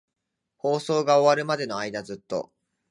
放送が終わるまでの間、ずっと。